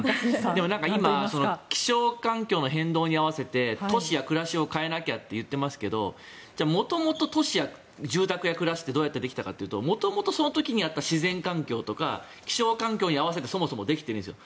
でも今気象環境の変動に合わせて都市や暮らしを変えなきゃって言ってますけど元々、都市や住宅や暮らしってどうできたかというと元々、その時に合った自然環境とか気象環境に合わせてそもそもできてるんですよ。